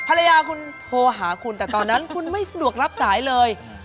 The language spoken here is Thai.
ภรรยาคุณโทรหาคุณแต่ตอนนั้นคุณไม่สะดวกรับสายเลย